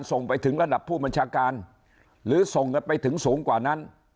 ส่งไปถึงระดับผู้บัญชาการหรือส่งกันไปถึงสูงกว่านั้น